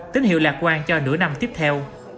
tín hiệu lạc quan cho nửa năm tiếp theo